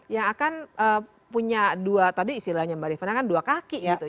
yang akan punya dua tadi istilahnya mbak rifana kan dua kaki gitu